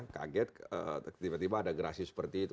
kaget tiba tiba ada gerasi seperti itu